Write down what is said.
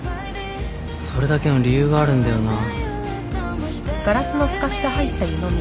それだけの理由があるんだよな。